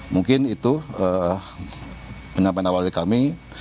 mungkin itu penyampaian awal dari kami